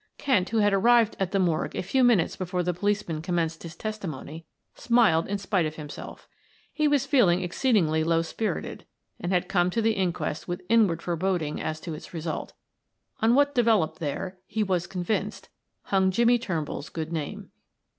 Kent, who had arrived at the morgue a few minutes before the policeman commenced his testimony, smiled in spite of himself. He was feeling exceedingly low spirited, and had come to the inquest with inward foreboding as to its result. On what developed there, he was convinced, hung Jimmie Turnbull's good name.